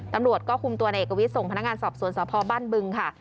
ตำรวจก็คุมตัวในเอกวิทย์ส่งพนักงานสอบสวนสพบ้านบึงค่ะ